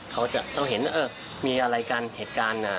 เขาจะต้องเห็นเออมีอะไรกันเหตุการณ์